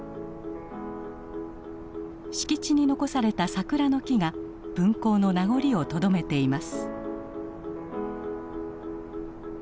敷地に残された桜の木が分校の名残をとどめています。